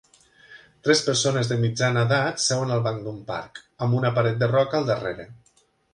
Tres persones de mitjana edat seuen al banc d'un parc, amb una paret de roca al darrere.